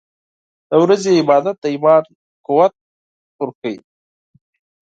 • د ورځې عبادت د ایمان قوت ورکوي.